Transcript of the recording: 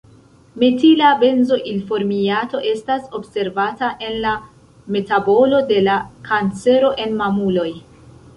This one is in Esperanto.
Metila benzoilformiato estas observata en la metabolo de la kancero en mamuloj.